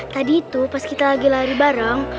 tadi itu pas kita lagi lari bareng